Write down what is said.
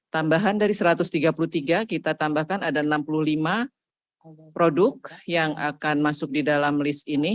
tambahan dari satu ratus tiga puluh tiga kita tambahkan ada enam puluh lima produk yang akan masuk di dalam list ini